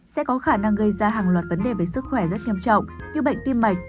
sẽ có khả năng gây ra hàng loạt vấn đề về sức khỏe rất nghiêm trọng như bệnh tim mạch